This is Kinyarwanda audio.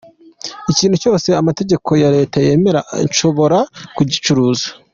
Ikintu cyose amategeko ya Leta yemera nshobora kugicuruza.